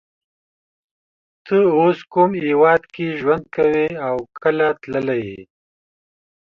ته اوس کوم هیواد کی ژوند کوی او کله تللی یی